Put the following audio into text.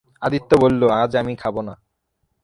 আদিত্য বলল, আজ আমি খাব না।